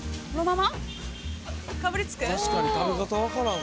確かに食べ方分からん